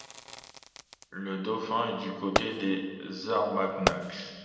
Le Dauphin est du côté des Armagnacs.